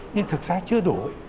nhưng thực ra chưa đủ